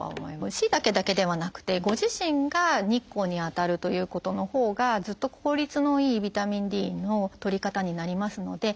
しいたけだけではなくてご自身が日光に当たるということのほうがずっと効率のいいビタミンＤのとり方になりますので。